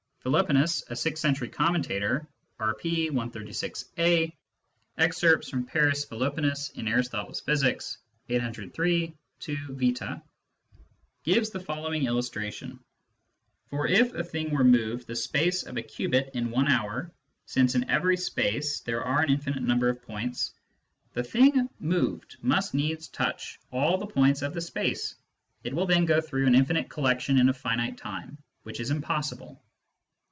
Philoponus, a sixth century commentator (R.P. 136A, Exc, Paris Philop, in Arist, Phys,^ 803, a. Vit.X gives the following illustration :" For if a thing were moved the space of a cubit in one hour, since in every space there are an infinite number of points, the thing moved must needs touch all the points of the space : it will then go through an infinite collection in a finite time, which is impossible."